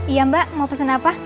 iya mbak mau pesan apa